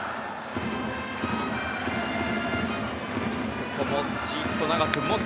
ここもじっと長く持つ。